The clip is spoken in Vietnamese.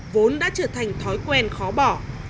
vốn đã trở thành thói quen khó bỏ